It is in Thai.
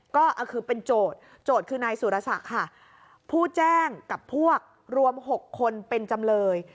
ก็คือเป็นโจทย์โจทย์คือนายสุรศักดิ์ค่ะผู้แจ้งกับพวกรวม๖คนเป็นจำเลย